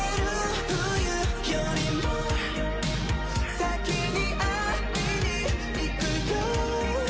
「先にいに行くよ」